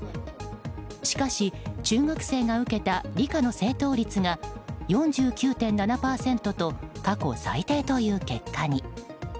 しかし、中学生が受けた理科の正答率が４９．７％と過去最低という結果に。